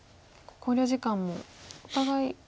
考慮時間もお互い。